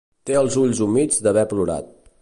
Té els ulls humits d'haver plorat.